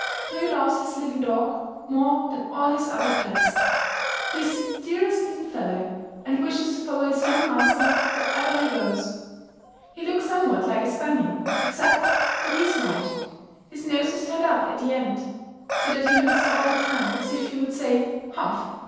Toyo loves his little dog more than all his other pets. He is the dearest little fellow, and wishes to follow his young master wherever he goes. He looks somewhat like a spaniel, except that he is white. His nose is turned up at the end, so that he looks all the time as if he would say, "Humph!